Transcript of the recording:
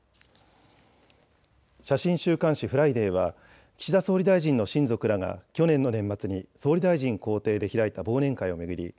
写真週刊誌フライデーは岸田総理大臣の親族らが去年の年末に総理大臣公邸で開いた忘年会を巡り